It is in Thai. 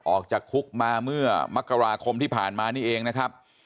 ออกจากคุกมาเมื่อมกราคมที่ผ่านมานี่เองนะครับ